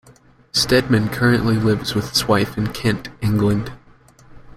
Steadman currently lives with his wife in Kent, England.